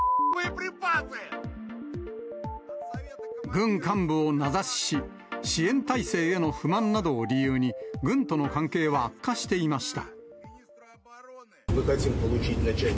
軍幹部を名指しし、支援体制への不満などを理由に、軍との関係は悪化していました。